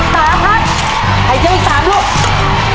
เอาแล้วไก่กระเทียมพบแล้วครับ